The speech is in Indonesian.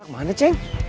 ke mana ceng